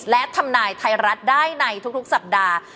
และทำนายไทยรัฐได้ในทุกสัปดาห์